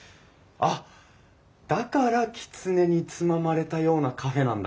だからきつねにつままれたようなカフェなんだ。